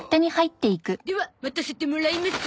では待たせてもらいます。